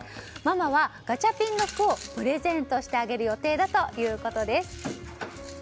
ママはガチャピンの服をプレゼントしてあげる予定だということです。